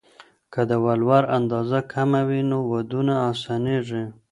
که د ولور اندازه کمه وي، نو ودونه اسانېږي.